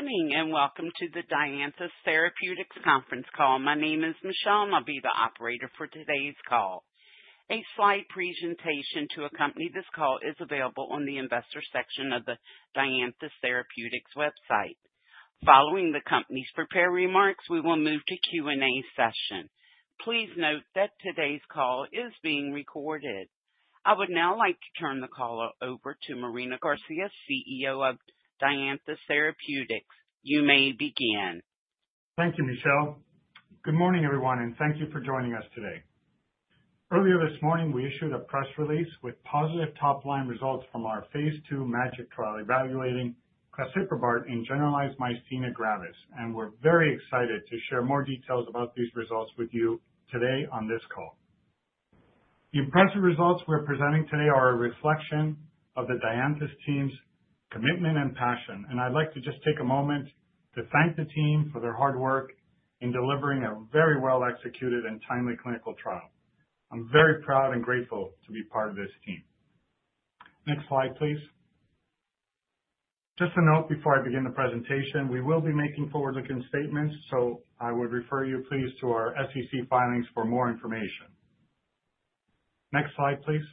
Good morning and welcome to the Dianthus Therapeutics conference call. My name is Michelle, and I'll be the operator for today's call. A slide presentation to accompany this call is available on the investor section of the Dianthus Therapeutics website. Following the company's prepared remarks, we will move to Q&A session. Please note that today's call is being recorded. I would now like to turn the call over to Marino Garcia, CEO of Dianthus Therapeutics. You may begin. Thank you, Michelle. Good morning, everyone, and thank you for joining us today. Earlier this morning, we issued a press release with positive top-line results from our phase II MaGic Trial evaluating claseprubart and generalized myasthenia gravis, and we're very excited to share more details about these results with you today on this call. The impressive results we're presenting today are a reflection of the Dianthus team's commitment and passion, and I'd like to just take a moment to thank the team for their hard work in delivering a very well-executed and timely clinical trial. I'm very proud and grateful to be part of this team. Next slide, please. Just a note before I begin the presentation, we will be making forward-looking statements, so I would refer you please to our SEC filings for more information. Next slide, please.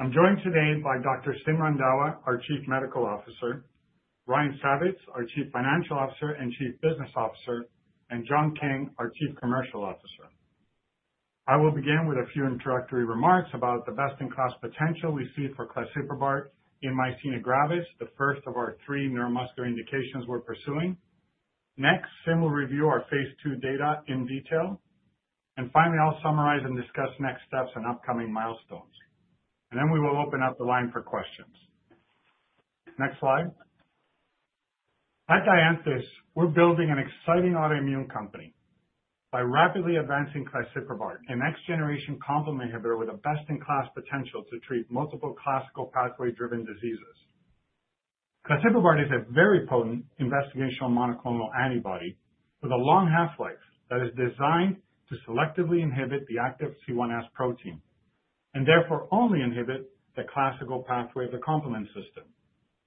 I'm joined today by Dr. Sim Randhawa, our Chief Medical Officer, Ryan Savitz, our Chief Financial Officer and Chief Business Officer, and John King, our Chief Commercial Officer. I will begin with a few introductory remarks about the best-in-class potential we see for claseprubart in myasthenia gravis, the first of our three neuromuscular indications we're pursuing. Next, Sim will review our phase II data in detail, and finally, I'll summarize and discuss next steps and upcoming milestones. Then we will open up the line for questions. Next slide. At Dianthus, we're building an exciting autoimmune company by rapidly advancing claseprubart, a next-generation complement inhibitor with a best-in-class potential to treat multiple classical pathway-driven diseases. Claseprubart is a very potent investigational monoclonal antibody with a long half-life that is designed to selectively inhibit the active C1s protein and therefore only inhibit the classical pathway of the complement system,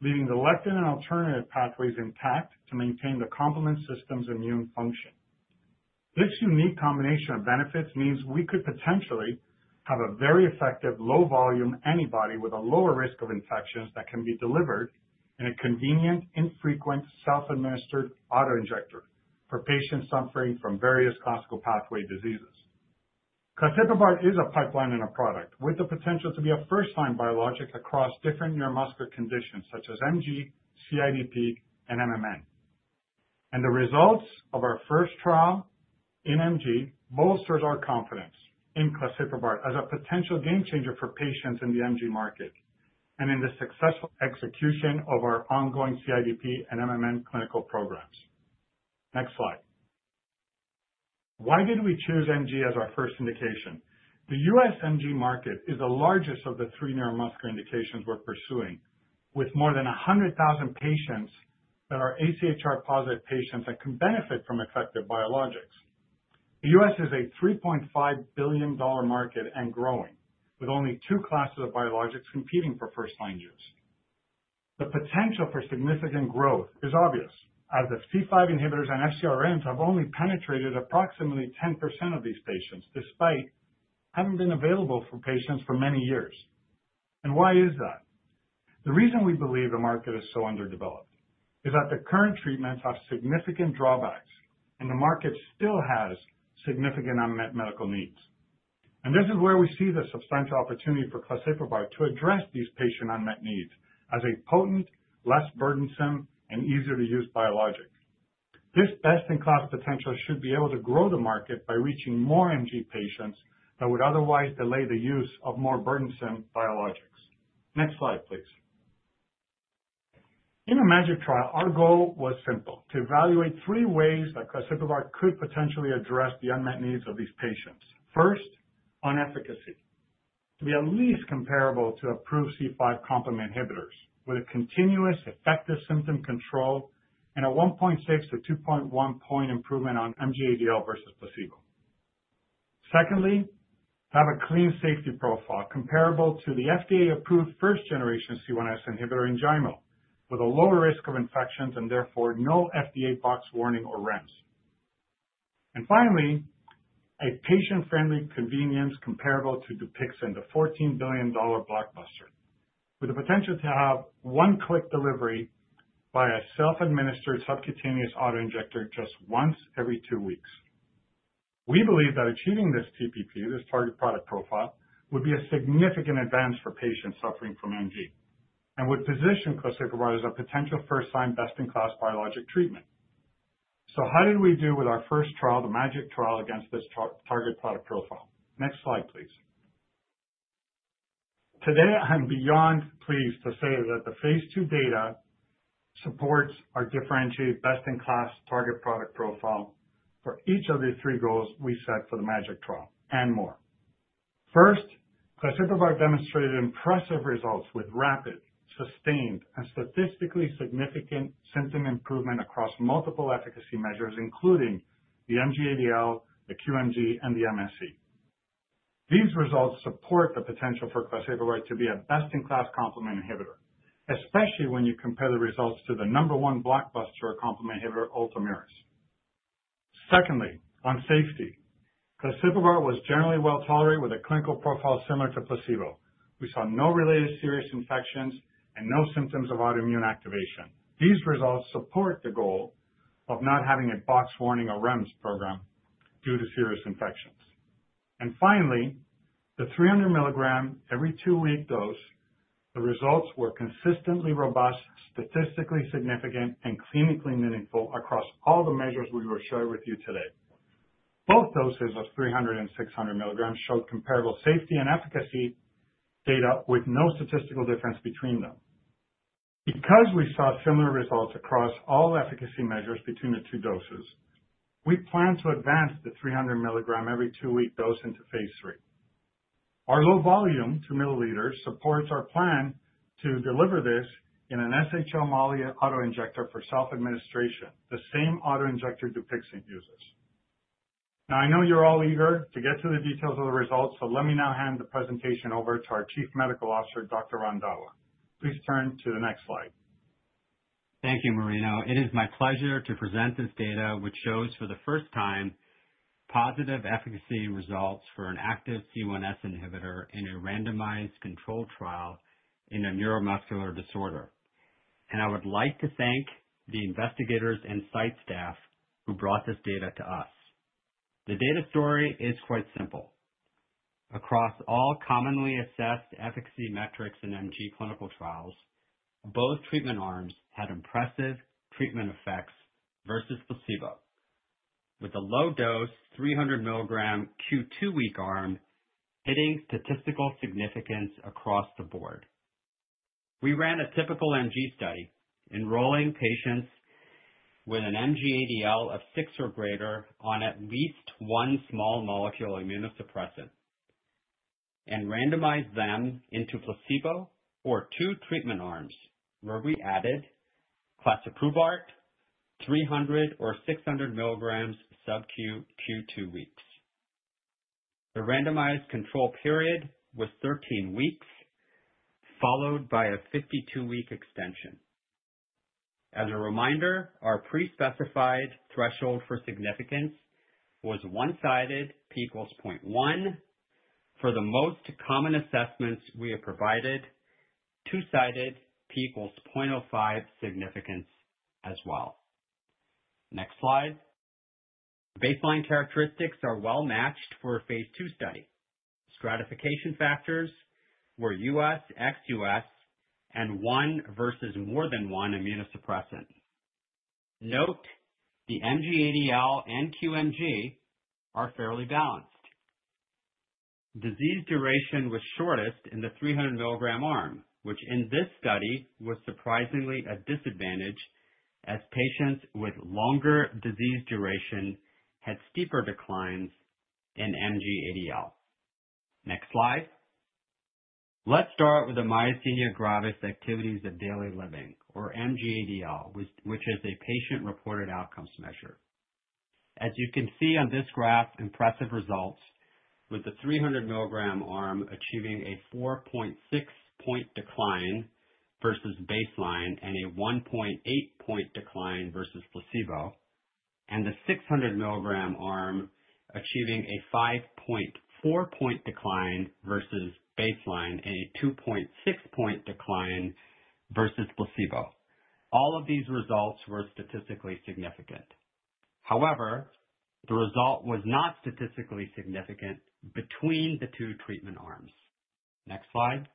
leaving the lectin and alternative pathways intact to maintain the complement system's immune function. This unique combination of benefits means we could potentially have a very effective low-volume antibody with a lower risk of infections that can be delivered in a convenient, infrequent, self-administered autoinjector for patients suffering from various classical pathway diseases. Claseprubart is a pipeline and a product with the potential to be a first-line biologic across different neuromuscular conditions such as MG, CIDP, and MMN. And the results of our first trial in MG bolsters our confidence in claseprubart as a potential game changer for patients in the MG market and in the successful execution of our ongoing CIDP and MMN clinical programs. Next slide. Why did we choose MG as our first indication? The U.S. MG market is the largest of the three neuromuscular indications we're pursuing, with more than 100,000 patients that are AChR-positive patients that can benefit from effective biologics. The U.S. is a $3.5 billion market and growing, with only two classes of biologics competing for first-line use. The potential for significant growth is obvious, as the C5 inhibitors and FcRn have only penetrated approximately 10% of these patients despite having been available for patients for many years, and why is that? The reason we believe the market is so underdeveloped is that the current treatments have significant drawbacks, and the market still has significant unmet medical needs, and this is where we see the substantial opportunity for claseprubart to address these patient unmet needs as a potent, less burdensome, and easier-to-use biologic. This best-in-class potential should be able to grow the market by reaching more MG patients that would otherwise delay the use of more burdensome biologics. Next slide, please. In the MaGic Trial, our goal was simple: to evaluate three ways that claseprubart could potentially address the unmet needs of these patients. First, on efficacy, to be at least comparable to approved C5 complement inhibitors with a continuous effective symptom control and a 1.6-2.1-point improvement on MG-ADL versus placebo. Secondly, to have a clean safety profile comparable to the FDA-approved first-generation C1s inhibitor, Enjaymo, with a lower risk of infections and therefore no FDA Box warning or REMS. And finally, a patient-friendly convenience comparable to Dupixent, a $14 billion blockbuster, with the potential to have one-click delivery by a self-administered subcutaneous autoinjector just once every two weeks. We believe that achieving this TPP, this target product profile, would be a significant advance for patients suffering from MG and would position claseprubart as a potential first-line best-in-class biologic treatment. How did we do with our first trial, the MaGic Trial, against this target product profile? Next slide, please. Today, I'm beyond pleased to say that the phase II data supports our differentiated best-in-class target product profile for each of the three goals we set for the MaGic Trial and more. First, claseprubart demonstrated impressive results with rapid, sustained, and statistically significant symptom improvement across multiple efficacy measures, including the MG-ADL, the QMG, and the MSE. These results support the potential for claseprubart to be a best-in-class complement inhibitor, especially when you compare the results to the number one blockbuster complement inhibitor, Ultomiris. Secondly, on safety, claseprubart was generally well tolerated with a clinical profile similar to placebo. We saw no related serious infections and no symptoms of autoimmune activation. These results support the goal of not having a Box warning or REMS program due to serious infections. Finally, the 300-milligram every two-week dose, the results were consistently robust, statistically significant, and clinically meaningful across all the measures we will share with you today. Both doses of 300 and 600 milligrams showed comparable safety and efficacy data with no statistical difference between them. Because we saw similar results across all efficacy measures between the two doses, we plan to advance the 300-milligram every two-week dose into phase III. Our low volume, two milliliters, supports our plan to deliver this in an SHL Molly autoinjector for self-administration, the same autoinjector Dupixent uses. Now, I know you're all eager to get to the details of the results, so let me now hand the presentation over to our Chief Medical Officer, Dr. Randhawa. Please turn to the next slide. Thank you, Marino. It is my pleasure to present this data, which shows for the first time positive efficacy results for an active C1s inhibitor in a randomized controlled trial in a neuromuscular disorder, and I would like to thank the investigators and site staff who brought this data to us. The data story is quite simple. Across all commonly assessed efficacy metrics in MG clinical trials, both treatment arms had impressive treatment effects versus placebo, with the low-dose 300-milligram Q2-week arm hitting statistical significance across the board. We ran a typical MG study enrolling patients with an MG-ADL of six or greater on at least one small molecule immunosuppressant and randomized them into placebo or two treatment arms where we added claseprubart 300 or 600 milligrams subcutaneous Q2 weeks. The randomized control period was 13 weeks, followed by a 52-week extension. As a reminder, our pre-specified threshold for significance was one-sided P equals 0.1. For the most common assessments we have provided, two-sided P equals 0.05 significance as well. Next slide. Baseline characteristics are well-matched for a phase II study. Stratification factors were U.S., ex-U.S., and one versus more than one immunosuppressant. Note, the MG-ADL and QMG are fairly balanced. Disease duration was shortest in the 300-milligram arm, which in this study was surprisingly a disadvantage as patients with longer disease duration had steeper declines in MG-ADL. Next slide. Let's start with the Myasthenia Gravis Activities of Daily Living, or MG-ADL, which is a patient-reported outcomes measure. As you can see on this graph, impressive results with the 300-milligram arm achieving a 4.6-point decline versus baseline and a 1.8-point decline versus placebo, and the 600-milligram arm achieving a 5.4-point decline versus baseline and a 2.6-point decline versus placebo. All of these results were statistically significant. However, the result was not statistically significant between the two treatment arms. Next slide.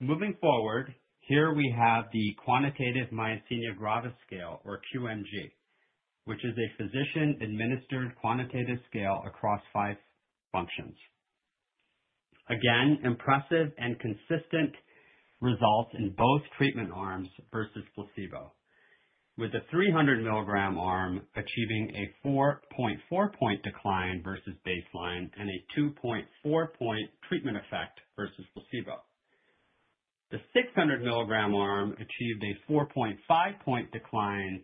Moving forward, here we have the Quantitative Myasthenia Gravis scale, or QMG, which is a physician-administered quantitative scale across five functions. Again, impressive and consistent results in both treatment arms versus placebo, with the 300-milligram arm achieving a 4.4-point decline versus baseline and a 2.4-point treatment effect versus placebo. The 600-milligram arm achieved a 4.5-point decline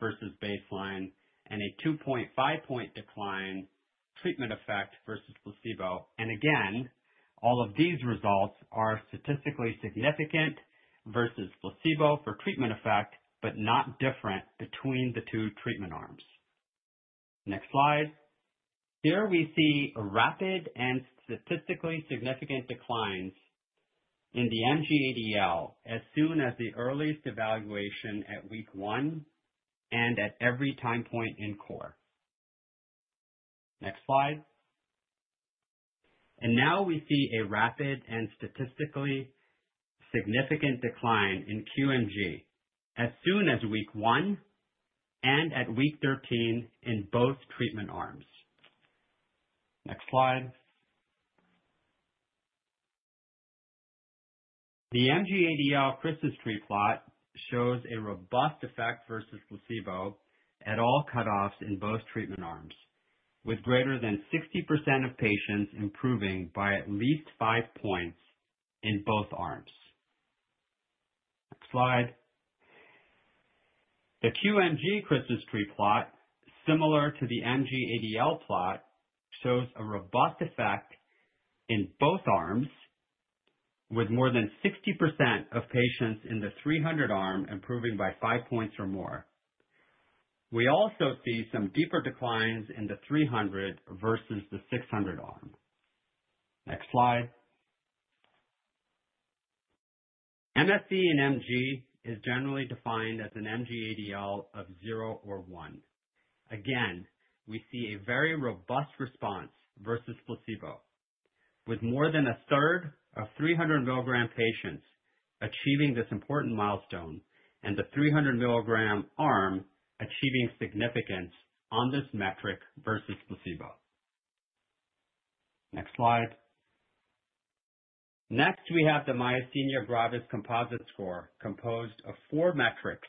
versus baseline and a 2.5-point decline treatment effect versus placebo. And again, all of these results are statistically significant versus placebo for treatment effect, but not different between the two treatment arms. Next slide. Here we see rapid and statistically significant declines in the MG-ADL as soon as the earliest evaluation at week one and at every time point in CORE. Next slide. Now we see a rapid and statistically significant decline in QMG as soon as week one and at week 13 in both treatment arms. Next slide. The MG-ADL Christmas tree plot shows a robust effect versus placebo at all cutoffs in both treatment arms, with greater than 60% of patients improving by at least five points in both arms. Next slide. The QMG Christmas tree plot, similar to the MG-ADL plot, shows a robust effect in both arms, with more than 60% of patients in the 300 arm improving by five points or more. We also see some deeper declines in the 300 versus the 600 arm. Next slide. MSE in MG is generally defined as an MG-ADL of zero or one. Again, we see a very robust response versus placebo, with more than a third of 300-milligram patients achieving this important milestone and the 300-milligram arm achieving significance on this metric versus placebo. Next slide. Next, we have the Myasthenia Gravis Composite score composed of four metrics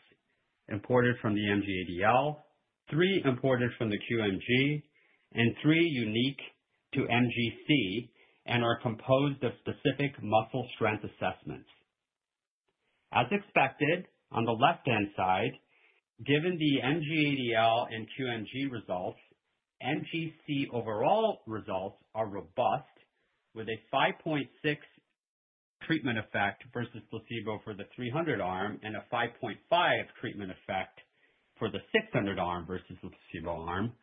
imported from the MG-ADL, three imported from the QMG, and three unique to MGC, and are composed of specific muscle strength assessments. As expected, on the left-hand side, given the MG- ADL and QMG results, MGC overall results are robust, with a 5.6 treatment effect versus placebo for the 300 arm and a 5.5 treatment effect for the 600 arm versus the placebo arm.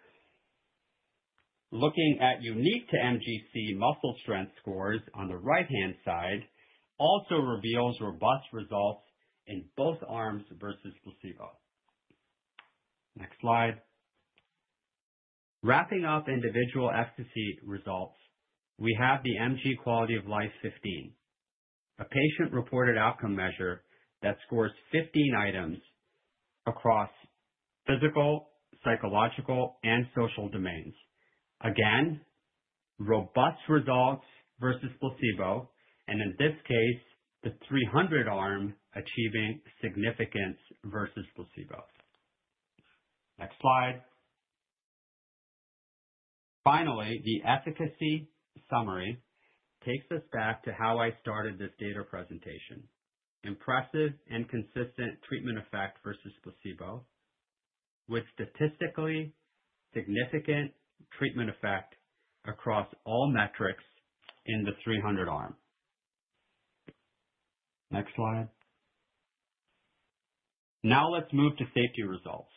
Looking at unique to MGC muscle strength scores on the right-hand side also reveals robust results in both arms versus placebo. Next slide. Wrapping up individual efficacy results, we have the MG Quality of Life 15, a patient-reported outcome measure that scores 15 items across physical, psychological, and social domains. Again, robust results versus placebo, and in this case, the 300 arm achieving significance versus placebo. Next slide. Finally, the efficacy summary takes us back to how I started this data presentation: impressive and consistent treatment effect versus placebo, with statistically significant treatment effect across all metrics in the 300 arm. Next slide. Now let's move to safety results: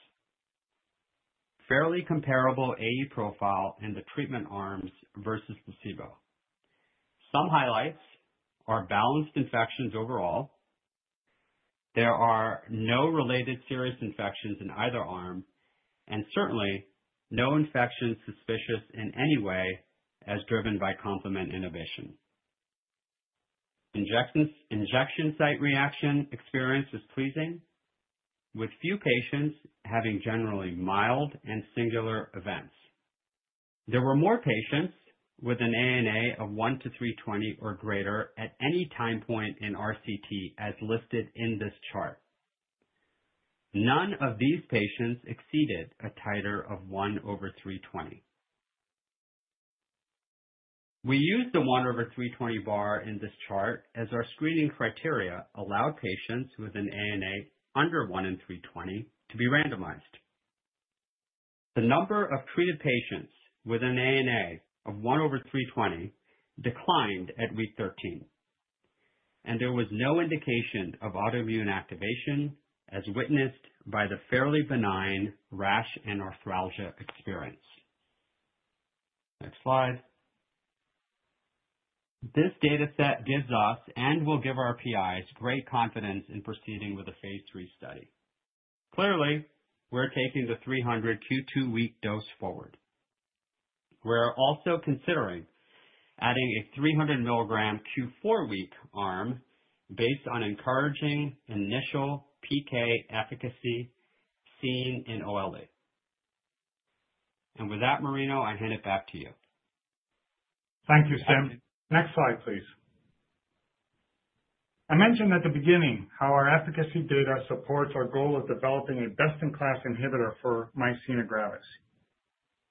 fairly comparable AE profile in the treatment arms versus placebo. Some highlights are balanced infections overall. There are no related serious infections in either arm, and certainly no infections suspicious in any way as driven by complement inhibition. Injection site reaction experience is pleasing, with few patients having generally mild and singular events. There were more patients with an ANA of 1:320 or greater at any time point in RCT as listed in this chart. None of these patients exceeded a titer of 1 over 320. We used the 1 over 320 bar in this chart as our screening criteria allowed patients with an ANA under 1 and 320 to be randomized. The number of treated patients with an ANA of 1 over 320 declined at week 13, and there was no indication of autoimmune activation as witnessed by the fairly benign rash and arthralgia experience. Next slide. This data set gives us and will give our PIs great confidence in proceeding with a phase III study. Clearly, we're taking the 300 Q2-week dose forward. We're also considering adding a 300-milligram Q4-week arm based on encouraging initial PK efficacy seen in OLE. With that, Marino, I hand it back to you. Thank you, Sam. Next slide, please. I mentioned at the beginning how our efficacy data supports our goal of developing a best-in-class inhibitor for myasthenia gravis.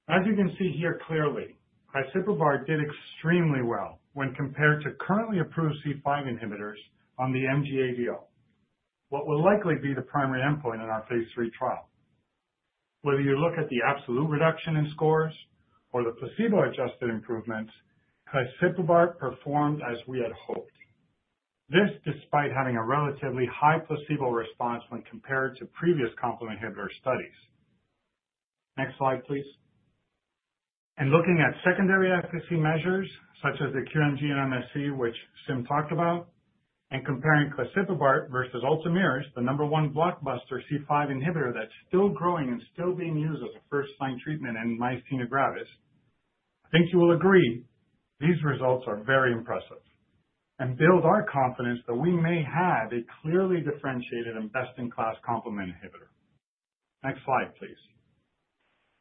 As you can see here clearly, claseprubart did extremely well when compared to currently approved C5 inhibitors on the MG-ADL, what will likely be the primary endpoint in our phase III trial. Whether you look at the absolute reduction in scores or the placebo-adjusted improvements, claseprubart performed as we had hoped, this despite having a relatively high placebo response when compared to previous complement inhibitor studies. Next slide, please. Looking at secondary efficacy measures such as the QMG and MSE, which Sam talked about, and comparing claseprubart versus Ultomiris, the number one blockbuster C5 inhibitor that's still growing and still being used as a first-line treatment in myasthenia gravis, I think you will agree these results are very impressive and build our confidence that we may have a clearly differentiated and best-in-class complement inhibitor. Next slide, please.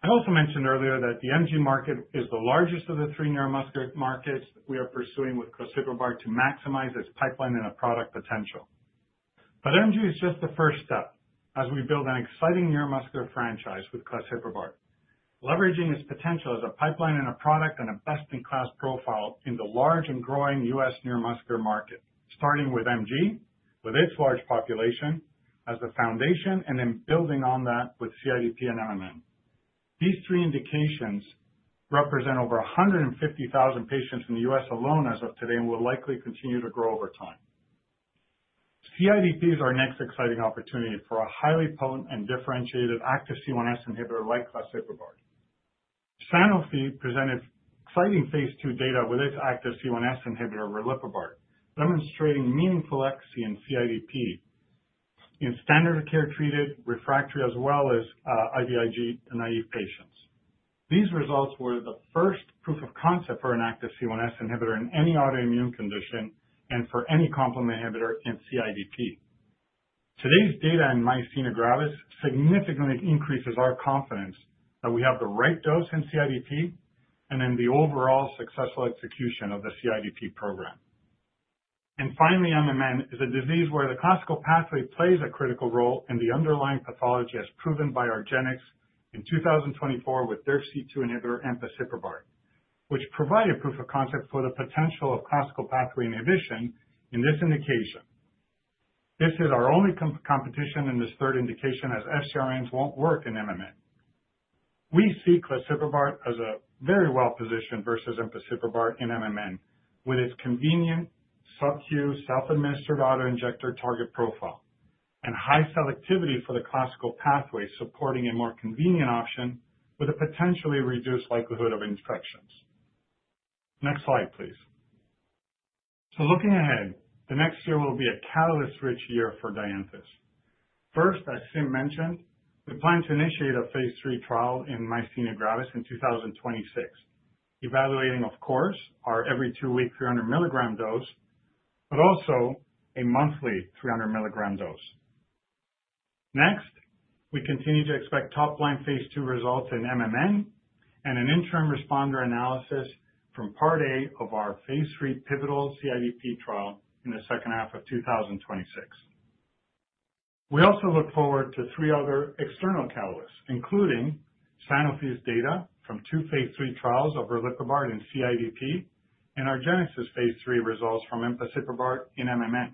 I also mentioned earlier that the MG market is the largest of the three neuromuscular markets that we are pursuing with claseprubart to maximize its pipeline and product potential. MG is just the first step as we build an exciting neuromuscular franchise with claseprubart, leveraging its potential as a pipeline and a product and a best-in-class profile in the large and growing U.S. Neuromuscular market, starting with MG with its large population as the foundation and then building on that with CIDP and MMN. These three indications represent over 150,000 patients in the U.S. alone as of today and will likely continue to grow over time. CIDP is our next exciting opportunity for a highly potent and differentiated active C1s inhibitor like claseprubart. Sanofi presented exciting phase II data with its active C1s inhibitor, riliprubart, demonstrating meaningful efficacy in CIDP in standard of care treated, refractory, as well as IVIG and IV patients. These results were the first proof of concept for an active C1s inhibitor in any autoimmune condition and for any complement inhibitor in CIDP. Today's data in myasthenia gravis significantly increases our confidence that we have the right dose in CIDP and then the overall successful execution of the CIDP program. Finally, MMN is a disease where the classical pathway plays a critical role in the underlying pathology as proven by our genetics in 2024 with the Argenx C2 inhibitor and claseprubart, which provided proof of concept for the potential of classical pathway inhibition in this indication. This is our only competition in this third indication as FcRns won't work in MMN. We see claseprubart as a very well-positioned versus the Argenx C2 in MMN with its convenient sub-Q self-administered autoinjector target profile and high selectivity for the classical pathway supporting a more convenient option with a potentially reduced likelihood of infections. Next slide, please. Looking ahead, the next year will be a catalyst-rich year for Dianthus. First, as Sam mentioned, we plan to initiate a phase III trial in Myasthenia Gravis in 2026, evaluating, of course, our every two-week 300-milligram dose, but also a monthly 300-milligram dose. Next, we continue to expect top-line phase II results in MMN and an interim responder analysis from part A of our phase III pivotal CIDP trial in the second half of 2026. We also look forward to three other external catalysts, including Sanofi's data from two phase III trials of riliprubart in CIDP and Argenx's phase III results from claseprubart in MMN.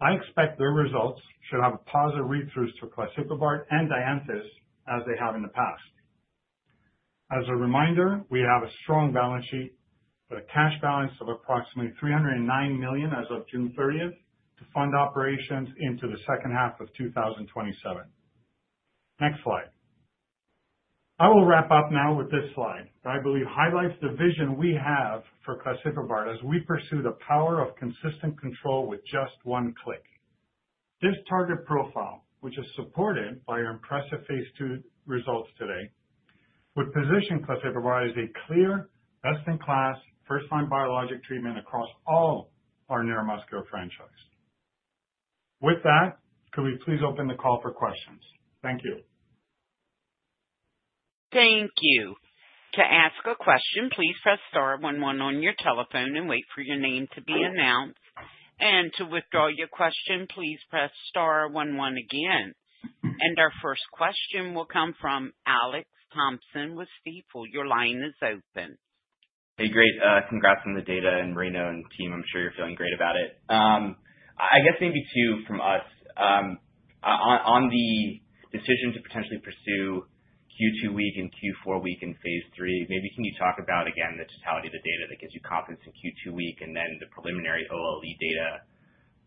I expect their results should have positive read-throughs to claseprubart and Dianthus as they have in the past. As a reminder, we have a strong balance sheet with a cash balance of approximately $309 million as of June 30th to fund operations into the second half of 2027. Next slide. I will wrap up now with this slide that I believe highlights the vision we have for claseprubart as we pursue the power of consistent control with just one click. This target profile, which is supported by our impressive phase II results today, would position claseprubart as a clear, best-in-class, first-line biologic treatment across all our neuromuscular franchise. With that, could we please open the call for questions? Thank you. Thank you. To ask a question, please press star one one on your telephone and wait for your name to be announced. And to withdraw your question, please press star one one again. And our first question will come from Alex Thompson with Stifel. Your line is open. Hey, great. Congrats on the data, and Marino and team. I'm sure you're feeling great about it. I guess maybe two from us. On the decision to potentially pursue Q2-week and Q4-week in phase III, maybe can you talk about, again, the totality of the data that gives you confidence in Q2-week and then the preliminary OLE data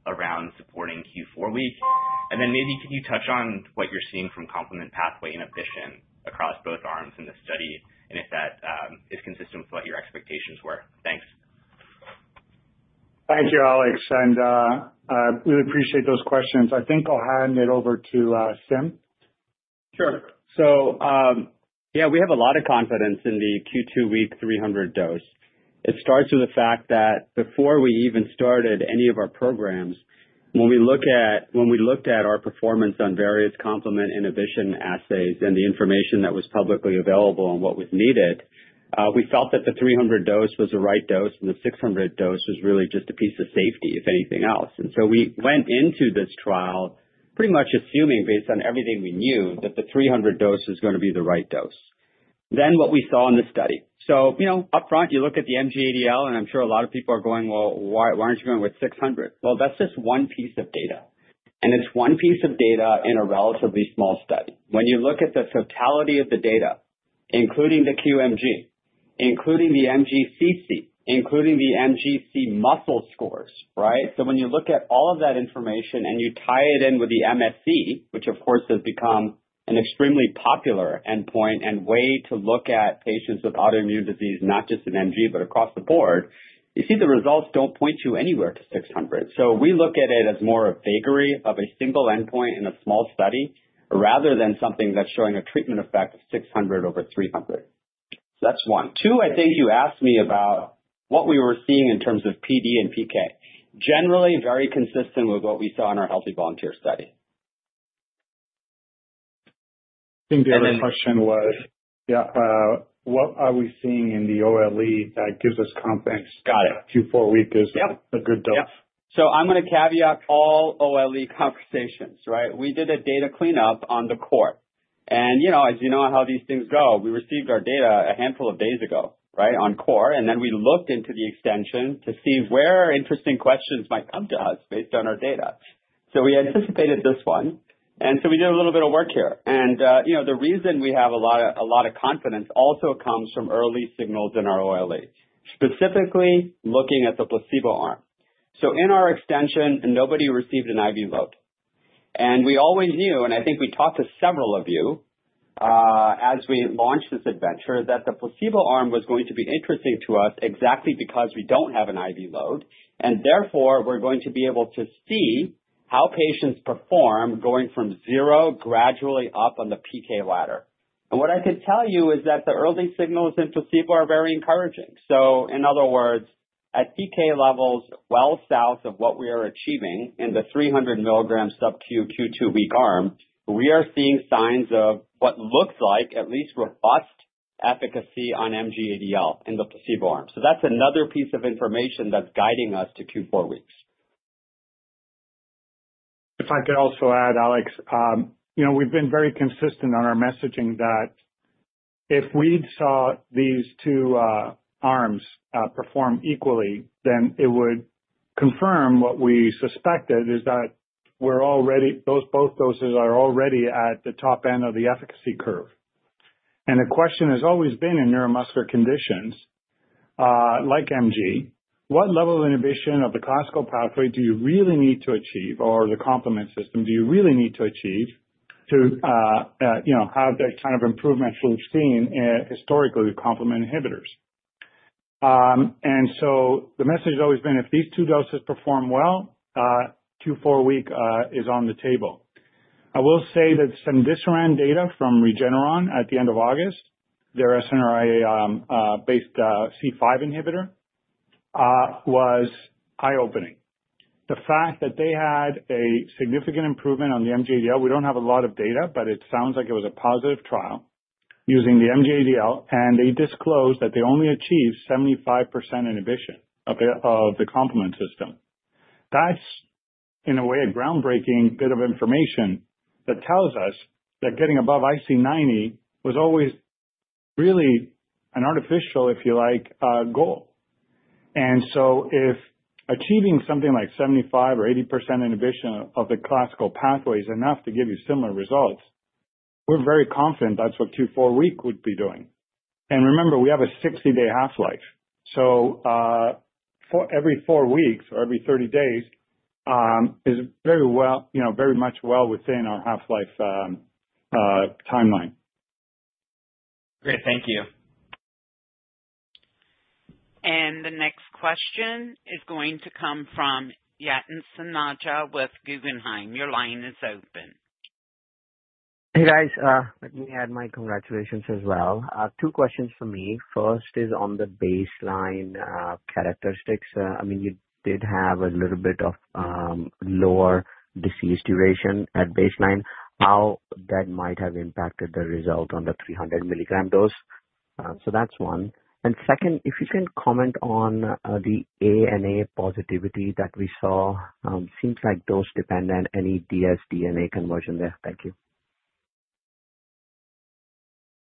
around supporting Q4-week? And then maybe can you touch on what you're seeing from complement pathway inhibition across both arms in the study and if that is consistent with what your expectations were? Thanks. Thank you, Alex. And I really appreciate those questions. I think I'll hand it over to Sim. Sure. So yeah, we have a lot of confidence in the Q2-week 300 dose. It starts with the fact that before we even started any of our programs, when we looked at our performance on various complement inhibition assays and the information that was publicly available and what was needed, we felt that the 300 dose was the right dose and the 600 dose was really just a piece of safety, if anything else. And so we went into this trial pretty much assuming, based on everything we knew, that the 300 dose was going to be the right dose. Then what we saw in the study. So upfront, you look at the MG-ADL, and I'm sure a lot of people are going, "Well, why aren't you going with 600?" Well, that's just one piece of data. And it's one piece of data in a relatively small study. When you look at the totality of the data, including the QMG, including the MGC, including the MGC muscle scores, right? So when you look at all of that information and you tie it in with the MSE, which of course has become an extremely popular endpoint and way to look at patients with autoimmune disease, not just in MG, but across the board, you see the results don't point you anywhere to 600. So we look at it as more a vagary of a single endpoint in a small study rather than something that's showing a treatment effect of 600 over 300. So that's one. Two, I think you asked me about what we were seeing in terms of PD and PK. Generally, very consistent with what we saw in our Healthy Volunteer study. I think the other question was, yeah, what are we seeing in the OLE that gives us confidence? Got it. Q4-week is a good dose. Yep. So I'm going to caveat all OLE conversations, right? We did a data cleanup on the core. And as you know how these things go, we received our data a handful of days ago, right, on core, and then we looked into the extension to see where interesting questions might come to us based on our data. So we anticipated this one, and so we did a little bit of work here. And the reason we have a lot of confidence also comes from early signals in our OLE, specifically looking at the placebo arm. So in our extension, nobody received an IV load. And we always knew, and I think we talked to several of you as we launched this adventure, that the placebo arm was going to be interesting to us exactly because we don't have an IV load, and therefore we're going to be able to see how patients perform going from zero gradually up on the PK ladder. And what I can tell you is that the early signals in placebo are very encouraging. So in other words, at PK levels well south of what we are achieving in the 300-milligram sub-Q Q2-week arm, we are seeing signs of what looks like at least robust efficacy on MG-ADL in the placebo arm. So that's another piece of information that's guiding us to Q4-weeks. If I could also add, Alex, we've been very consistent on our messaging that if we'd saw these two arms perform equally, then it would confirm what we suspected is that both doses are already at the top end of the efficacy curve. And the question has always been in neuromuscular conditions like MG, what level of inhibition of the classical pathway do you really need to achieve, or the complement system do you really need to achieve to have the kind of improvements we've seen historically with complement inhibitors? And so the message has always been if these two doses perform well, Q4-week is on the table. I will say that some Phase III data from Regeneron at the end of August, their siRNA-based C5 inhibitor, was eye-opening. The fact that they had a significant improvement on the MG-ADL, we don't have a lot of data, but it sounds like it was a positive trial using the MG-ADL, and they disclosed that they only achieved 75% inhibition of the complement system. That's, in a way, a groundbreaking bit of information that tells us that getting above IC90 was always really an artificial, if you like, goal. And so if achieving something like 75% or 80% inhibition of the classical pathway is enough to give you similar results, we're very confident that's what Q4-week would be doing. And remember, we have a 60-day half-life. So every four weeks or every 30 days is very much well within our half-life timeline. Great. Thank you. And the next question is going to come from Yatin Suneja with Guggenheim. Your line is open. Hey, guys. Let me add my congratulations as well. Two questions for me. First is on the baseline characteristics. I mean, you did have a little bit of lower disease duration at baseline. How that might have impacted the result on the 300-milligram dose? So that's one. And second, if you can comment on the ANA positivity that we saw, seems like dose-dependent, any dsDNA conversion there. Thank you.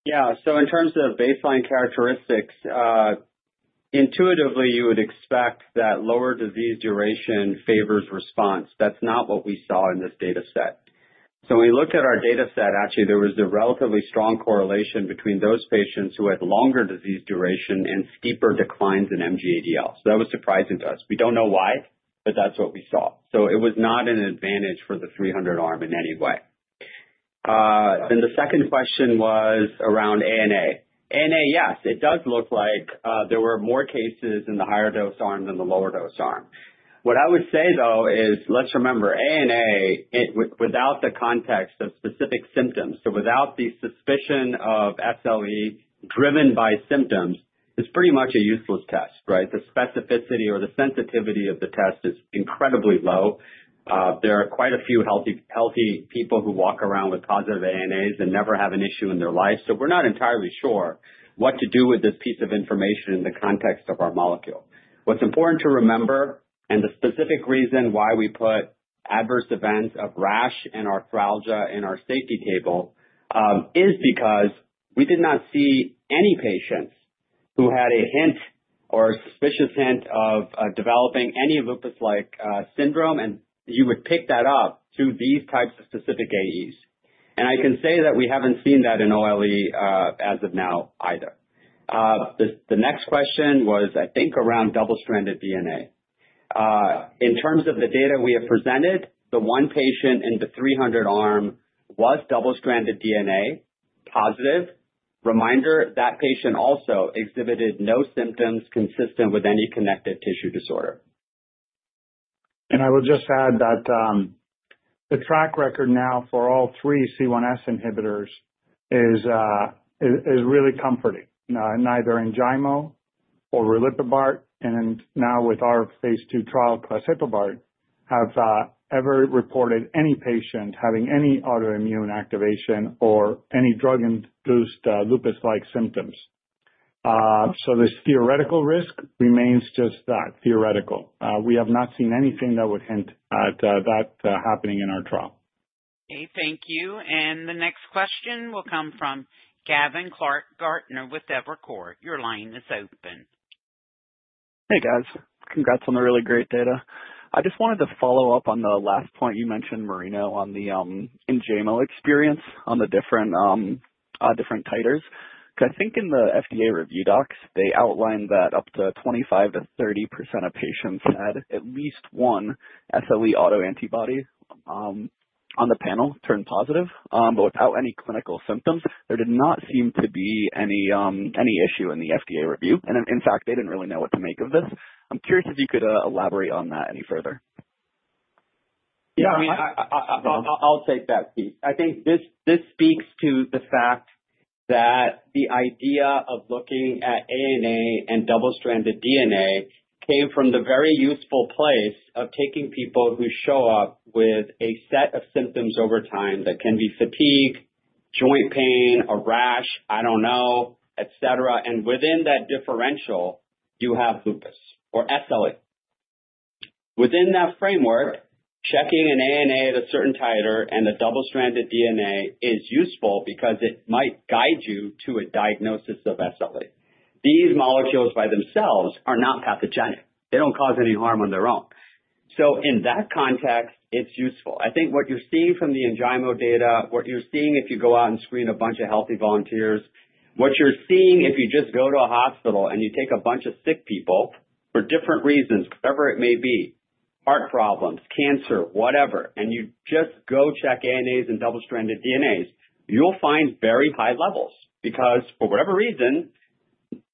Yeah. So in terms of baseline characteristics, intuitively, you would expect that lower disease duration favors response. That's not what we saw in this dataset. When we looked at our dataset, actually, there was a relatively strong correlation between those patients who had longer disease duration and steeper declines in MG-ADL. That was surprising to us. We don't know why, but that's what we saw. It was not an advantage for the 300 arm in any way. Then the second question was around ANA. ANA, yes, it does look like there were more cases in the higher dose arm than the lower dose arm. What I would say, though, is let's remember, ANA without the context of specific symptoms, so without the suspicion of SLE driven by symptoms, it's pretty much a useless test, right? The specificity or the sensitivity of the test is incredibly low. There are quite a few healthy people who walk around with positive ANAs and never have an issue in their life. So we're not entirely sure what to do with this piece of information in the context of our molecule. What's important to remember and the specific reason why we put adverse events of rash and arthralgia in our safety table is because we did not see any patients who had a hint or a suspicious hint of developing any lupus-like syndrome, and you would pick that up to these types of specific AEs, and I can say that we haven't seen that in OLE as of now either. The next question was, I think, around double-stranded DNA. In terms of the data we have presented, the one patient in the 300 arm was double-stranded DNA positive. Reminder, that patient also exhibited no symptoms consistent with any connective tissue disorder. I will just add that the track record now for all three C1s inhibitors is really comforting. Neither Enjaymo or riliprubart and now with our phase II trial claseprubart have ever reported any patient having any autoimmune activation or any drug-induced lupus-like symptoms. So this theoretical risk remains just that, theoretical. We have not seen anything that would hint at that happening in our trial. Okay. Thank you. And the next question will come from Gavin Clark-Gartner with Evercore. Your line is open. Hey, guys. Congrats on the really great data. I just wanted to follow up on the last point you mentioned, Marino, on the Enjaymo experience on the different titers. Because I think in the FDA review docs, they outlined that up to 25%-30% of patients had at least one SLE autoantibody on the panel turned positive, but without any clinical symptoms, there did not seem to be any issue in the FDA review. And in fact, they didn't really know what to make of this. I'm curious if you could elaborate on that any further. Yeah. I mean, I'll take that piece. I think this speaks to the fact that the idea of looking at ANA and double-stranded DNA came from the very useful place of taking people who show up with a set of symptoms over time that can be fatigue, joint pain, a rash, I don't know, etc, and within that differential, you have lupus or SLE. Within that framework, checking an ANA at a certain titer and a double-stranded DNA is useful because it might guide you to a diagnosis of SLE. These molecules by themselves are not pathogenic. They don't cause any harm on their own, so in that context, it's useful. I think what you're seeing from the Enjaymo data, what you're seeing if you go out and screen a bunch of healthy volunteers, what you're seeing if you just go to a hospital and you take a bunch of sick people for different reasons, whatever it may be, heart problems, cancer, whatever, and you just go check ANAs and double-stranded DNAs, you'll find very high levels because for whatever reason,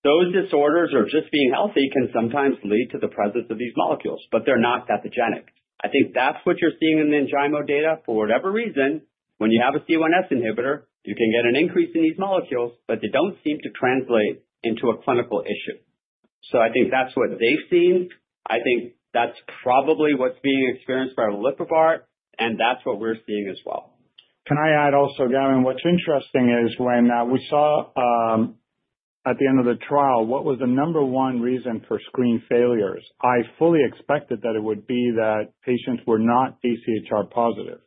those disorders or just being healthy can sometimes lead to the presence of these molecules, but they're not pathogenic. I think that's what you're seeing in the Enjaymo data. For whatever reason, when you have a C1s inhibitor, you can get an increase in these molecules, but they don't seem to translate into a clinical issue. So I think that's what they've seen. I think that's probably what's being experienced by riliprubart, and that's what we're seeing as well. Can I add also, Gavin? What's interesting is when we saw at the end of the trial, what was the number one reason for screen failures? I fully expected that it would be that patients were not AChR positive,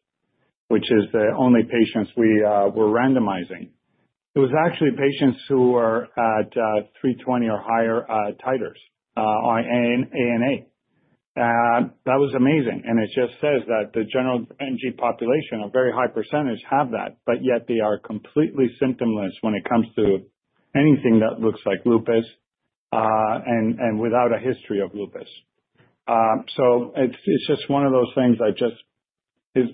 which is the only patients we were randomizing. It was actually patients who were at 320 or higher titers on ANA. That was amazing. And it just says that the general MG population, a very high percentage, have that, but yet they are completely symptomless when it comes to anything that looks like lupus and without a history of lupus. So it's just one of those things that just is,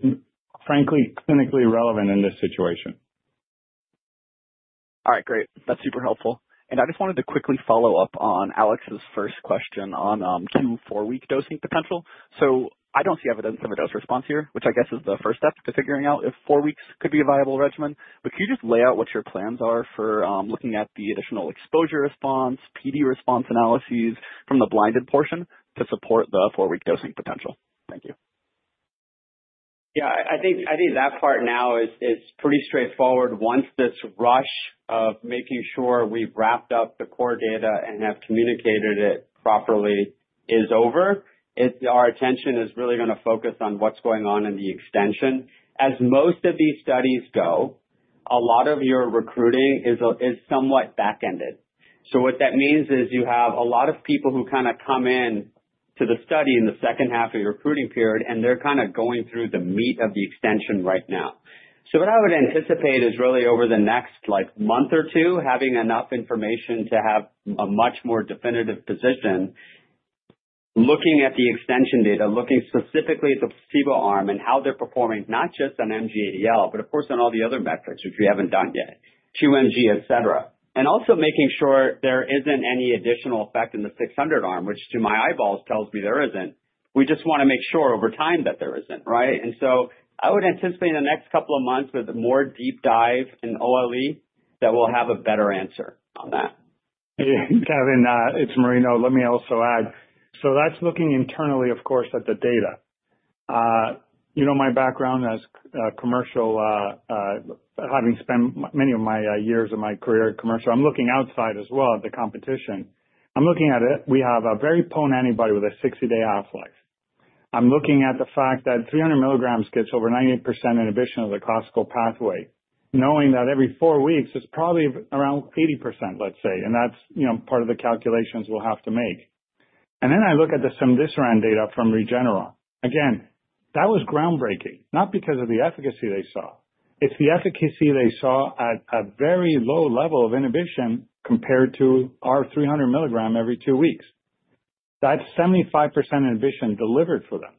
frankly, clinically relevant in this situation. All right. Great. That's super helpful. And I just wanted to quickly follow up on Alex's first question on Q4-week dosing potential. So I don't see evidence of a dose response here, which I guess is the first step to figuring out if four weeks could be a viable regimen. But can you just lay out what your plans are for looking at the additional exposure response, PD response analyses from the blinded portion to support the four-week dosing potential? Thank you. Yeah. I think that part now is pretty straightforward. Once this rush of making sure we've wrapped up the core data and have communicated it properly is over, our attention is really going to focus on what's going on in the extension. As most of these studies go, a lot of your recruiting is somewhat back-ended. So what that means is you have a lot of people who kind of come into the study in the second half of your recruiting period, and they're kind of going through the meat of the extension right now. So what I would anticipate is really over the next month or two, having enough information to have a much more definitive position, looking at the extension data, looking specifically at the placebo arm and how they're performing, not just on MG-ADL, but of course on all the other metrics, which we haven't done yet, QMG, etc., and also making sure there isn't any additional effect in the 600 arm, which to my eyeballs tells me there isn't. We just want to make sure over time that there isn't, right? And so I would anticipate in the next couple of months with a more deep dive in OLE that we'll have a better answer on that. Gavin, it's Marino. Let me also add. So that's looking internally, of course, at the data. My background as commercial, having spent many of my years of my career in commercial, I'm looking outside as well at the competition. I'm looking at it. We have a very potent antibody with a 60-day half-life. I'm looking at the fact that 300 milligrams gets over 90% inhibition of the classical pathway, knowing that every four weeks it's probably around 80%, let's say, and that's part of the calculations we'll have to make. And then I look at the pozelimab data from Regeneron. Again, that was groundbreaking, not because of the efficacy they saw. It's the efficacy they saw at a very low level of inhibition compared to our 300 milligram every two weeks. That's 75% inhibition delivered for them.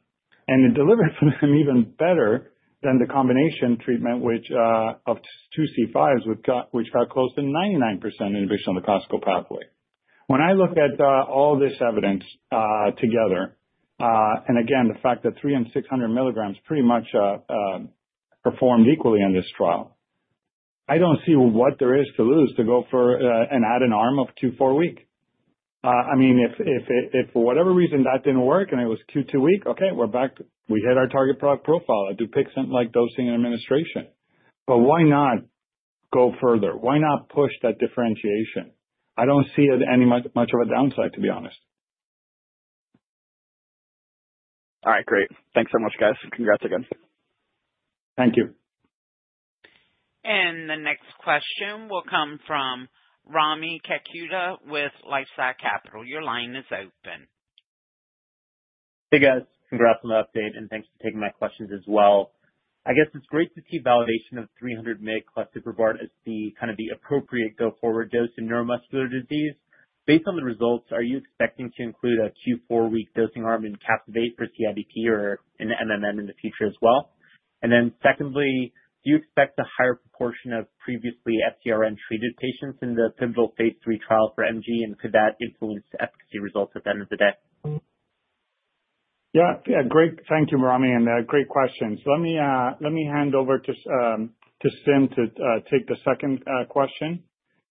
It delivered for them even better than the combination treatment, which of two C5s, which got close to 99% inhibition of the classical pathway. When I look at all this evidence together, and again, the fact that 300 and 600 milligrams pretty much performed equally in this trial, I don't see what there is to lose to go for and add an arm of Q4-week. I mean, if for whatever reason that didn't work and it was Q2-week, okay, we're back. We hit our target profile. I do pick something like dosing and administration. But why not go further? Why not push that differentiation? I don't see any much of a downside, to be honest. All right. Great. Thanks so much, guys. Congrats again. Thank you. And the next question will come from Rami Katkhuda with LifeSci Capital. Your line is open. Hey, guys. Congrats on the update, and thanks for taking my questions as well. I guess it's great to see validation of 300 mg claseprubart as kind of the appropriate go-forward dose in neuromuscular disease. Based on the results, are you expecting to include a Q4-week dosing arm in Captivate for CIDP or in MMN in the future as well? And then secondly, do you expect a higher proportion of previously FcRn-treated patients in the pivotal phase III trial for MG, and could that influence the efficacy results at the end of the day? Yeah. Yeah. Great. Thank you, Rami, and great questions. Let me hand over to Sim to take the second question,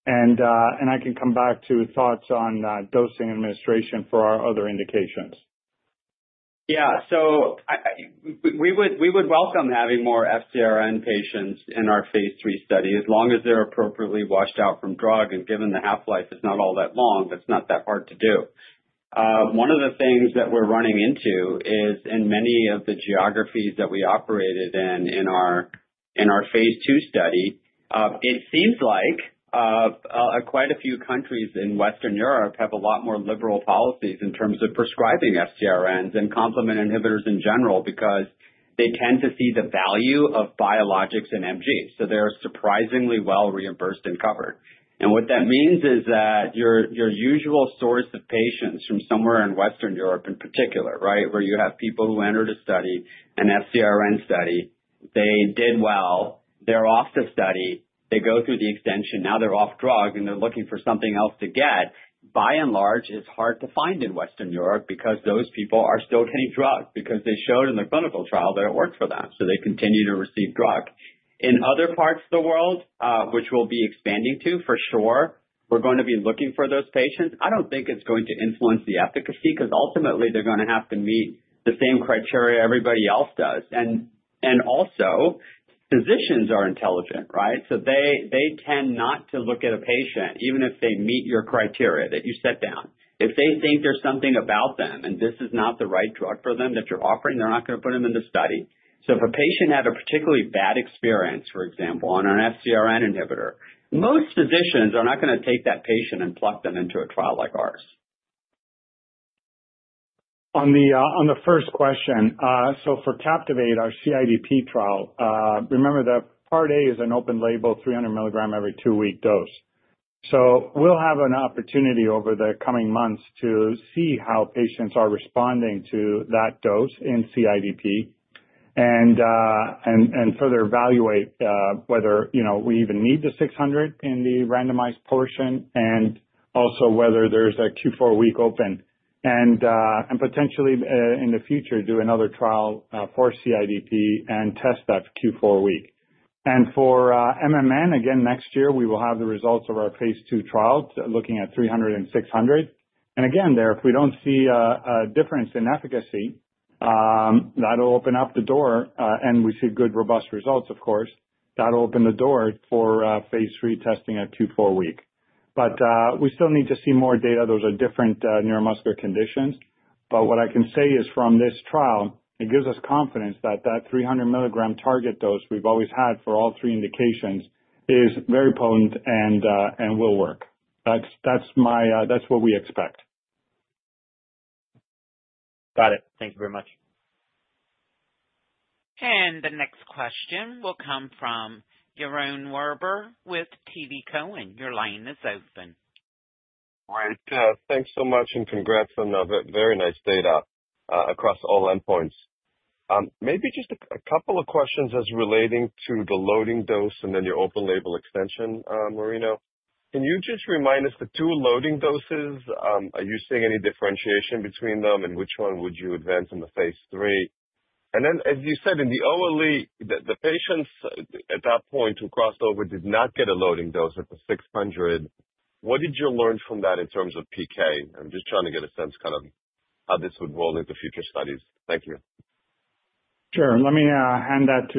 and I can come back to thoughts on dosing and administration for our other indications. Yeah, so we would welcome having more FcRn patients in our phase III study as long as they're appropriately washed out from drug, and given the half-life is not all that long, it's not that hard to do. One of the things that we're running into is in many of the geographies that we operated in in our phase II study, it seems like quite a few countries in Western Europe have a lot more liberal policies in terms of prescribing FcRns and complement inhibitors in general because they tend to see the value of biologics in MG, so they're surprisingly well reimbursed and covered. And what that means is that your usual source of patients from somewhere in Western Europe in particular, right, where you have people who entered a study, an FcRn study, they did well, they're off the study, they go through the extension, now they're off drug, and they're looking for something else to get, by and large, is hard to find in Western Europe because those people are still getting drug because they showed in the clinical trial that it worked for them. So they continue to receive drug. In other parts of the world, which we'll be expanding to for sure, we're going to be looking for those patients. I don't think it's going to influence the efficacy because ultimately they're going to have to meet the same criteria everybody else does. And also, physicians are intelligent, right? So they tend not to look at a patient, even if they meet your criteria that you set down. If they think there's something about them and this is not the right drug for them that you're offering, they're not going to put them in the study. So if a patient had a particularly bad experience, for example, on an FcRn inhibitor, most physicians are not going to take that patient and pluck them into a trial like ours. On the first question, for Captivate, our CIDP trial, remember the part A is an open label 300 milligram every two-week dose. We'll have an opportunity over the coming months to see how patients are responding to that dose in CIDP and further evaluate whether we even need the 600 in the randomized portion and also whether there's a Q4-week open. Potentially in the future, we could do another trial for CIDP and test that Q4-week. For MMN, again, next year, we will have the results of our phase II trial looking at 300 and 600. Again, there, if we don't see a difference in efficacy, that'll open up the door. If we see good robust results, of course, that'll open the door for phase III testing at Q4-week. We still need to see more data. Those are different neuromuscular conditions. But what I can say is from this trial, it gives us confidence that that 300 milligram target dose we've always had for all three indications is very potent and will work. That's what we expect. Got it. Thank you very much. The next question will come from Yaron Werber with TD Cowen. Your line is open. All right. Thanks so much and congrats on a very nice data across all endpoints. Maybe just a couple of questions as relating to the loading dose and then your open-label extension, Marino. Can you just remind us the two loading doses? Are you seeing any differentiation between them, and which one would you advance in the phase III? And then, as you said, in the OLE, the patients at that point who crossed over did not get a loading dose at the 600. What did you learn from that in terms of PK? I'm just trying to get a sense kind of how this would roll into future studies. Thank you. Sure. Let me hand that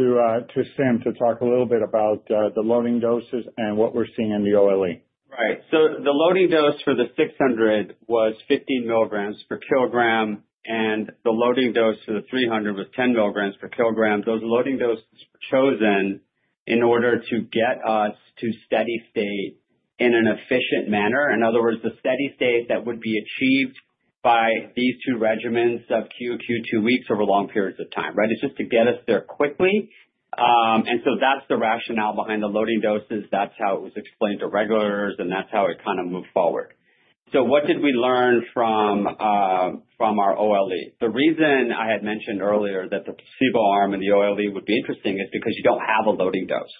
to Sim to talk a little bit about the loading doses and what we're seeing in the OLE. Right. So the loading dose for the 600 was 15 milligrams per kg, and the loading dose for the 300 was 10 milligrams per kg. Those loading doses were chosen in order to get us to steady state in an efficient manner. In other words, the steady state that would be achieved by these two regimens of Q, Q2 weeks over long periods of time, right? It's just to get us there quickly. And so that's the rationale behind the loading doses. That's how it was explained to regulators, and that's how it kind of moved forward. So what did we learn from our OLE? The reason I had mentioned earlier that the placebo arm in the OLE would be interesting is because you don't have a loading dose.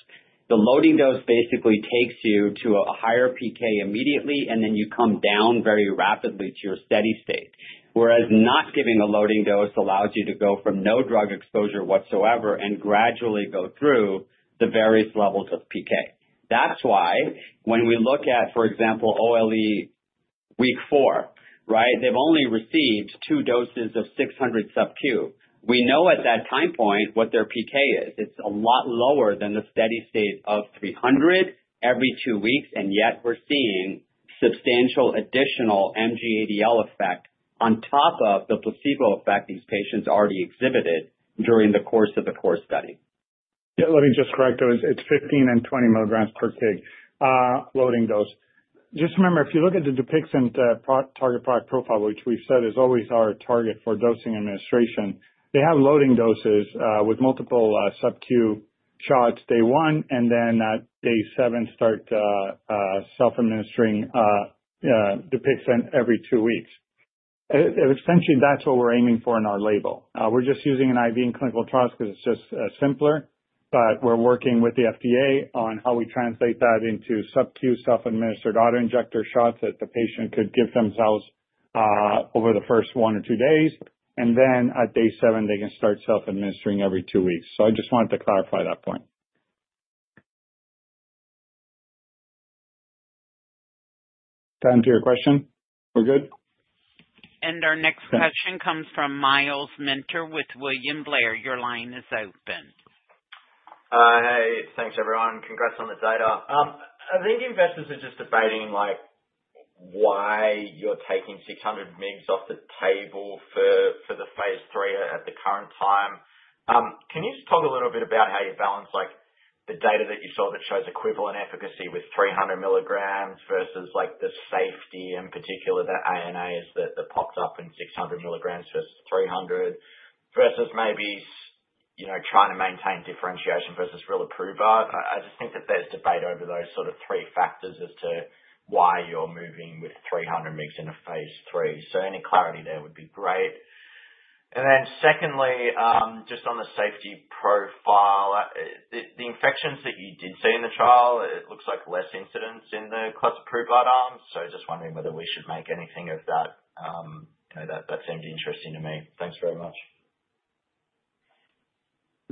The loading dose basically takes you to a higher PK immediately, and then you come down very rapidly to your steady state, whereas not giving a loading dose allows you to go from no drug exposure whatsoever and gradually go through the various levels of PK. That's why when we look at, for example, OLE week four, right, they've only received two doses of 600 sub Q. We know at that time point what their PK is. It's a lot lower than the steady state of 300 every two weeks, and yet we're seeing substantial additional MG-ADL effect on top of the placebo effect these patients already exhibited during the course of the core study. Yeah. Let me just correct those. It's 15 and 20 milligrams per kg loading dose. Just remember, if you look at the Dupixent target product profile, which we've said is always our target for dosing administration, they have loading doses with multiple sub Q shots day one, and then day seven start self-administering Dupixent every two weeks. Essentially, that's what we're aiming for in our label. We're just using an IV in clinical trials because it's just simpler, but we're working with the FDA on how we translate that into sub Q self-administered autoinjector shots that the patient could give themselves over the first one or two days. And then at day seven, they can start self-administering every two weeks. So I just wanted to clarify that point. Time for your question. We're good? And our next question comes from Myles Minter with William Blair. Your line is open. Hey. Thanks, everyone. Congrats on the data. I think investors are just debating why you're taking 600 mg off the table for the phase III at the current time. Can you just talk a little bit about how you balance the data that you saw that shows equivalent efficacy with 300 milligrams versus the safety in particular, the ANAs that popped up in 600 milligrams versus 300 versus maybe trying to maintain differentiation versus real approval? I just think that there's debate over those sort of three factors as to why you're moving with 300 mg in a phase III. So any clarity there would be great. And then secondly, just on the safety profile, the infections that you did see in the trial, it looks like less incidence in the claseprubart arms. So just wondering whether we should make anything of that. That seemed interesting to me. Thanks very much.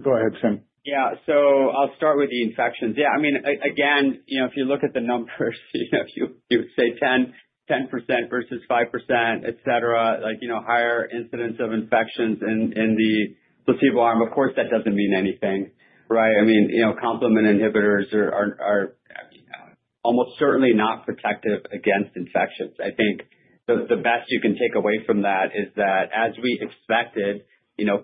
Go ahead, Sim. Yeah. So I'll start with the infections. Yeah. I mean, again, if you look at the numbers, you would say 10% versus 5%, etc., higher incidence of infections in the placebo arm. Of course, that doesn't mean anything, right? I mean, complement inhibitors are almost certainly not protective against infections. I think the best you can take away from that is that, as we expected,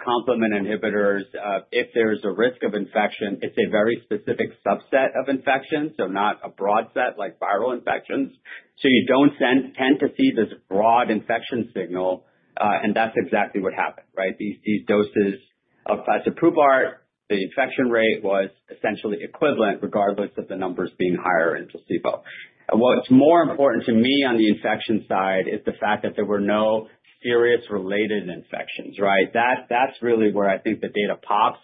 complement inhibitors, if there's a risk of infection, it's a very specific subset of infections, so not a broad set like viral infections. So you don't tend to see this broad infection signal, and that's exactly what happened, right? These doses of claseprubart, the infection rate was essentially equivalent regardless of the numbers being higher in placebo. And what's more important to me on the infection side is the fact that there were no serious related infections, right? That's really where I think the data pops,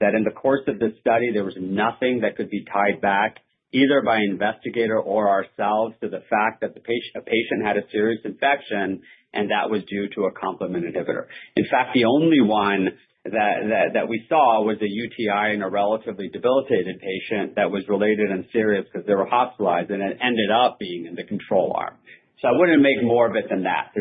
that in the course of this study, there was nothing that could be tied back either by investigator or ourselves to the fact that a patient had a serious infection and that was due to a complement inhibitor. In fact, the only one that we saw was a UTI in a relatively debilitated patient that was related and serious because they were hospitalized, and it ended up being in the control arm. So I wouldn't make more of it than that.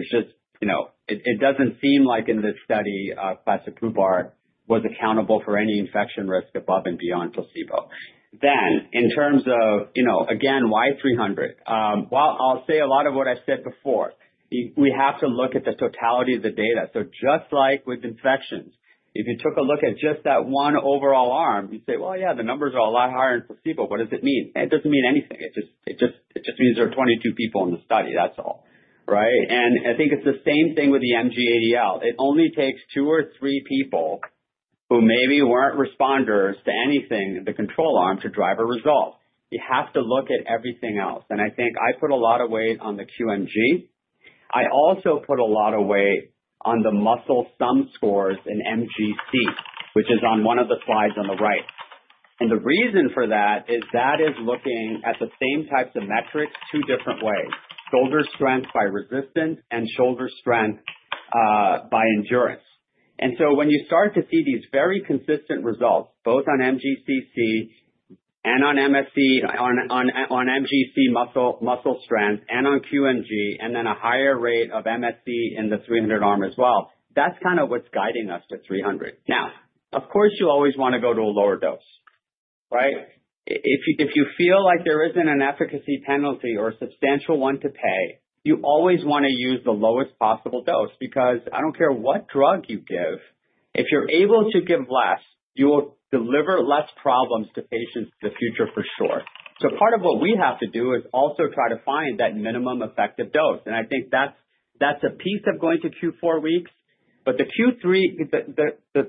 It doesn't seem like in this study, claseprubart was accountable for any infection risk above and beyond placebo. Then, in terms of, again, why 300? Well, I'll say a lot of what I said before. We have to look at the totality of the data. So just like with infections, if you took a look at just that one overall arm, you'd say, "Well, yeah, the numbers are a lot higher in placebo. What does it mean?" It doesn't mean anything. It just means there are 22 people in the study. That's all, right? And I think it's the same thing with the MG-ADL. It only takes two or three people who maybe weren't responders to anything in the control arm to drive a result. You have to look at everything else. And I think I put a lot of weight on the QMG. I also put a lot of weight on the muscle sum scores in MGC, which is on one of the slides on the right. The reason for that is that it's looking at the same types of metrics two different ways: shoulder strength by resistance and shoulder strength by endurance. So when you start to see these very consistent results, both on MGC and on MSE, on MGC muscle strength and on QMG, and then a higher rate of MSE in the 300 arm as well, that's kind of what's guiding us to 300. Now, of course, you always want to go to a lower dose, right? If you feel like there isn't an efficacy penalty or a substantial one to pay, you always want to use the lowest possible dose because I don't care what drug you give. If you're able to give less, you will deliver less problems to patients in the future for sure. So part of what we have to do is also try to find that minimum effective dose. And I think that's a piece of going to Q4 weeks. But the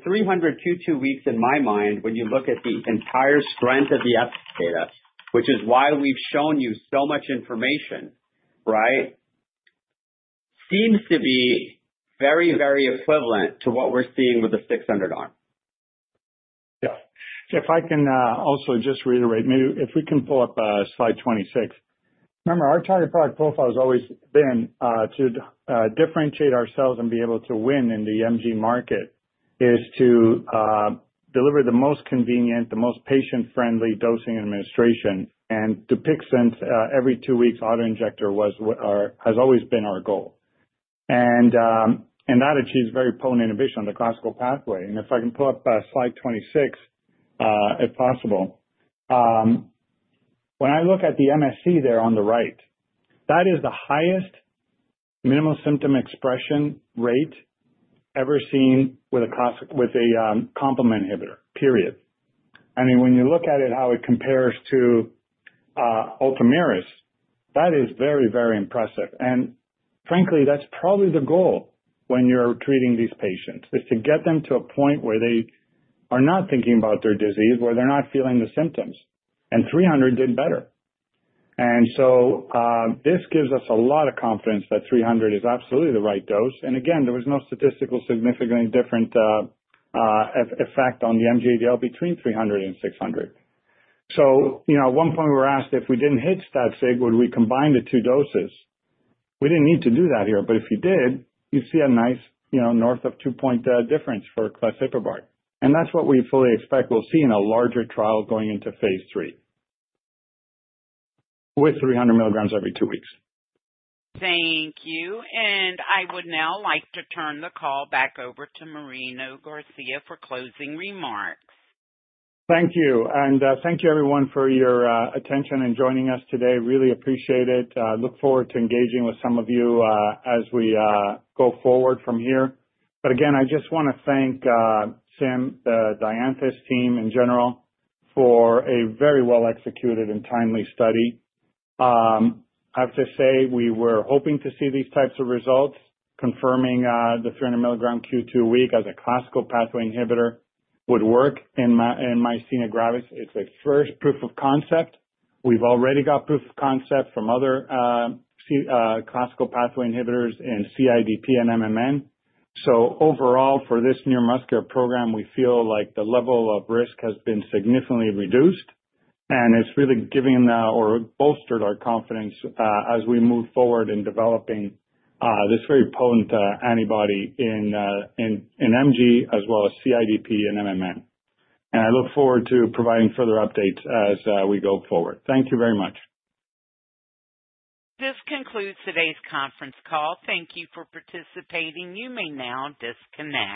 300 Q2 weeks, in my mind, when you look at the entire strength of the FAS data, which is why we've shown you so much information, right, seems to be very, very equivalent to what we're seeing with the 600 arm. Yeah. If I can also just reiterate, maybe if we can pull up slide 26. Remember, our target product profile has always been to differentiate ourselves and be able to win in the MG market is to deliver the most convenient, the most patient-friendly dosing and administration. And Dupixent every two weeks auto injector has always been our goal. And that achieves very potent inhibition on the classical pathway. And if I can pull up slide 26, if possible, when I look at the MSE there on the right, that is the highest minimal symptom expression rate ever seen with a complement inhibitor, period. I mean, when you look at it, how it compares to Ultomiris, that is very, very impressive. Frankly, that's probably the goal when you're treating these patients, is to get them to a point where they are not thinking about their disease, where they're not feeling the symptoms. And 300 did better. And so this gives us a lot of confidence that 300 is absolutely the right dose. And again, there was no statistically significant difference on the MG-ADL between 300 and 600. So at one point, we were asked if we didn't hit stats, would we combine the two doses? We didn't need to do that here. But if you did, you'd see a nice north of two-point difference for claseprubart. And that's what we fully expect we'll see in a larger trial going into phase III with 300 milligrams every two weeks. Thank you. I would now like to turn the call back over to Marino Garcia for closing remarks. Thank you. And thank you, everyone, for your attention and joining us today. Really appreciate it. Look forward to engaging with some of you as we go forward from here. But again, I just want to thank Sim, the Dianthus team in general, for a very well-executed and timely study. I have to say we were hoping to see these types of results confirming the 300 milligram Q2 week as a classical pathway inhibitor would work in Myasthenia Gravis. It's a first proof of concept. We've already got proof of concept from other classical pathway inhibitors in CIDP and MMN. So overall, for this neuromuscular program, we feel like the level of risk has been significantly reduced, and it's really given or bolstered our confidence as we move forward in developing this very potent antibody in MG as well as CIDP and MMN. I look forward to providing further updates as we go forward. Thank you very much. This concludes today's conference call. Thank you for participating. You may now disconnect.